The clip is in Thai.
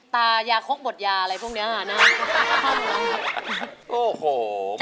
ตายาคกบดยาอะไรพวกนี้นะครับ